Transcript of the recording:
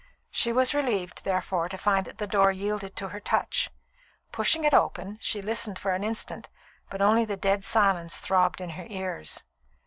She was relieved, therefore, to find that the door yielded to her touch. Pushing it open, she listened for an instant, but only the dead silence throbbed in her ears.